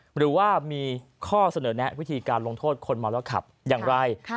หรือว่ามีข้อเสนอแนะวิธีการลงโทษคนเมาแล้วขับอย่างไร